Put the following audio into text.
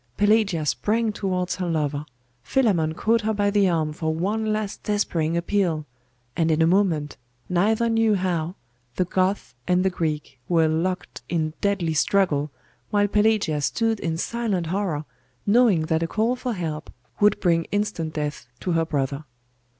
Pelagia sprang towards her lover: Philammon caught her by the arm for one last despairing appeal: and in a moment, neither knew how, the Goth and the Greek were locked in deadly struggle, while Pelagia stood in silent horror, knowing that a call for help would bring instant death to her brother.